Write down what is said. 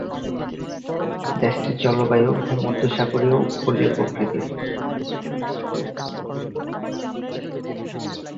দেশটির জলবায়ু ভূমধ্যসাগরীয় উপকূলীয় প্রকৃতির।